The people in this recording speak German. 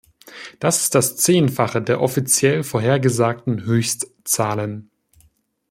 Das ist das Zehnfache der offiziell vorhergesagten Höchstzahlen.